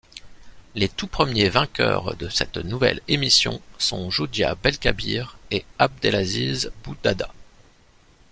Les tout premiers vainqueurs de cette nouvelle émission sont Joudia Belkabir et Abdelaziz Bouhdada.